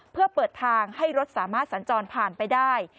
เพื่อเปิดทางให้รถสามารถสัญจรผ่านไปได้